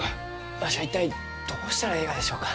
わしは一体どうしたらえいがでしょうか？